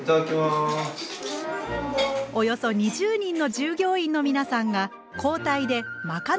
およそ２０人の従業員の皆さんが交代でまかないを召し上がっています。